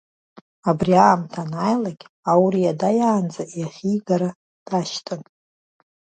Абри аамҭа анааилакь, ауриа даанӡа иахьигара дашьҭан.